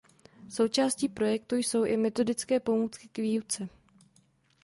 Součástí projektu jsou i metodické pomůcky k výuce.